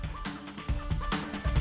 tentang aksi superdamai